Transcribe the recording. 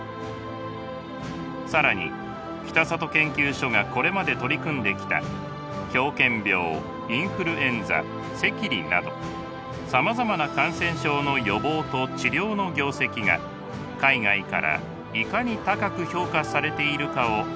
更に北里研究所がこれまで取り組んできたなどさまざまな感染症の予防と治療の業績が海外からいかに高く評価されているかを知るのです。